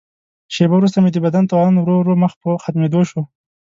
شیبه وروسته مې د بدن توان ورو ورو مخ په ختمېدو شو.